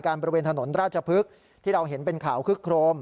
การประเวทธนภนราชภภึกที่เราเห็นเป็นข่าวคลึกโครม